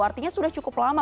artinya sudah cukup lama